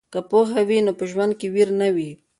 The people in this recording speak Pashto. که پوهه وي نو په ژوند کې ویر نه وي.